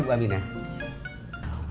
terima kasih bu aminah